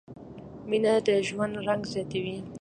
مینه د ژوند رنګ زیاتوي.